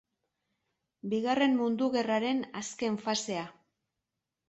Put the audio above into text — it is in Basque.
Bigarren Mundu Gerraren azken fasea.